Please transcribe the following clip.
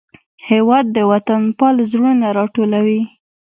هېواد د وطنپال زړونه راټولوي.